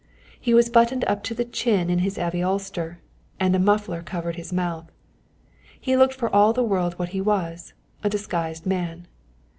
He was buttoned up to the chin in his heavy ulster, and a muffler covered his mouth. He looked for all the world what he was a disguised man.